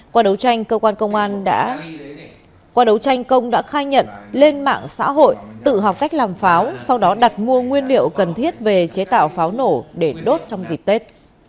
qua đấu tranh công đã khai nhận lên mạng xã hội tự học cách làm pháo sau đó đặt mua nguyên liệu cần thiết về chế tạo pháo nổ để đốt trong dịp tết